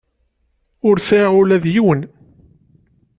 Ur sɛiɣ ula d yiwen.